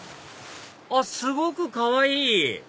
あっすごくかわいい！